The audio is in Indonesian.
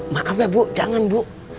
maaf ya bu jangan bu